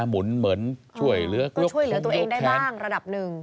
หมุนเหมือนช่วยเหลือกลุ่มยกแทน